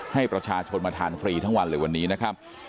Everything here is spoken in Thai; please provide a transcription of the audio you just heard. ให้ประชาชนมาทานฟรีทั้งวันเลยวันนี้นะครับ